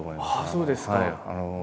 そうですか！